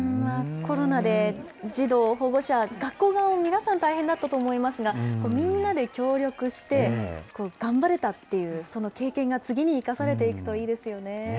コロナで児童、保護者、学校側も皆さん、大変だったと思いますが、みんなで協力して、頑張れたっていうその経験が次に生かされていくといいですよね。